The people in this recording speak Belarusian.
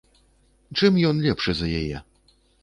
Чым ён лепшы за яе?